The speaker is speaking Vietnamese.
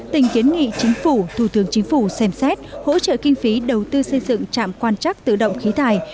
tỉnh kiến nghị chính phủ thủ tướng chính phủ xem xét hỗ trợ kinh phí đầu tư xây dựng trạm quan chắc tự động khí thải